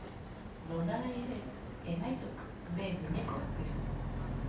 Nolanahi ere, emaitzok behin behinekoak dira.